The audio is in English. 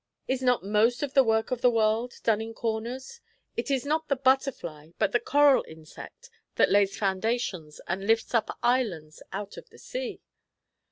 "Is not most of the work of the world done in corners? It is not the butterfly, but the coral insect, that lays foundations and lifts up islands out of the sea."